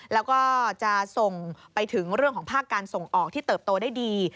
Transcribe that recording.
แล้วก็จะส่งไปถึงเรื่องของภาคการส่งออกที่เติบโตได้ดี